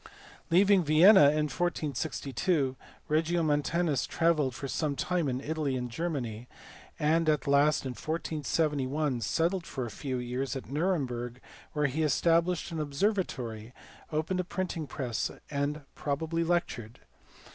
Leaving Vienna in 1462, Regiomontanus travelled for some time in Italy and Germany; and at last in 1471 settled for a few years at Nuremberg where he established an obser vatory, opened a printing press^ and probably lectured.